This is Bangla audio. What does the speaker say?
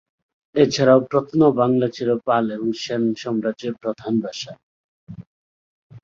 এছাড়াও "প্রত্ন বাংলা" ছিলো পাল এবং সেন সাম্রাজ্যের প্রধান ভাষা।